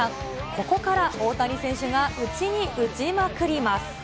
ここから大谷選手が打ちに打ちまくります。